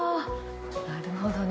なるほどね。